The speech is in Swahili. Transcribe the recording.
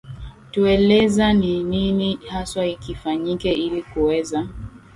tueleza ni nini haswa kifanyike ili kuweza